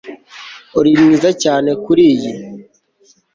Uri mwiza cyane kuriyi